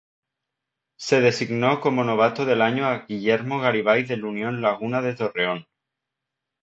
Se designó como novato del año a Guillermo Garibay del Unión Laguna de Torreón.